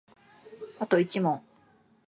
あと一問